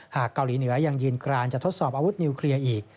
เกาหลีเหนือยังยืนกรานจะทดสอบอาวุธนิวเคลียร์อีก